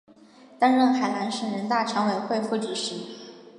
担任海南省人大常委会副主任。